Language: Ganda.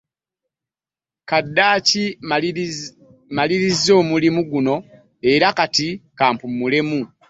Kaddaki maliriza omulimu gunno era kati kampumulemu.